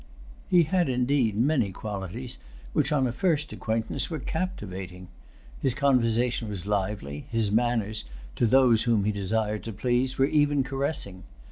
He had indeed many qualities which, on a first acquaintance, were captivating. His conversation was lively; his manners, to those whom he desired to please, were even caressing.